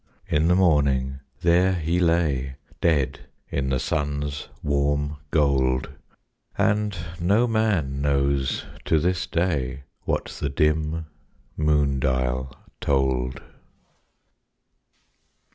In the morning there he lay Dead in the sun's warm gold. And no man knows to this day What the dim moondial told.